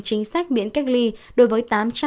chính sách biển cách ly đối với